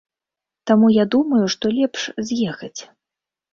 Таму я думаю, што лепш з'ехаць.